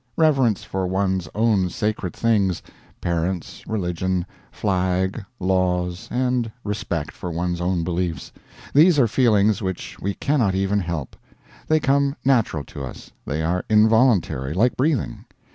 Reverence for one's own sacred things parents, religion, flag, laws, and respect for one's own beliefs these are feelings which we cannot even help. They come natural to us; they are involuntary, like breathing.